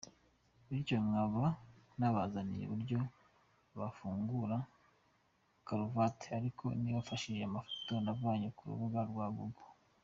Bityo nkaba nabazaniye uburyo bafungamo karuvate, ariko nifashishije amafoto navanye ku rubuga rwa Google.